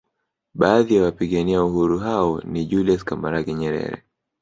Baadhi ya wapigania uhuru hao ni Julius Kambarage Nyerere